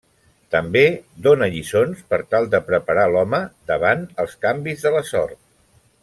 També dóna lliçons per tal de preparar l'home davant els canvis de la sort.